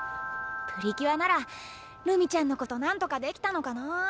プリキュアならるみちゃんのことなんとかできたのかなあ。